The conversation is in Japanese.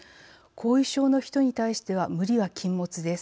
後遺症の人に対しては無理は禁物です。